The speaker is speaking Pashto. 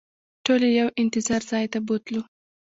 ټول یې یو انتظار ځای ته بوتلو.